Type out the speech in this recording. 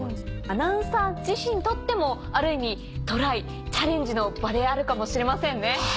アナウンサー自身にとってもある意味トライチャレンジの場であるかもしれませんね。